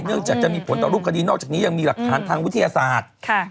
จากจะมีผลต่อรูปคดีนอกจากนี้ยังมีหลักฐานทางวิทยาศาสตร์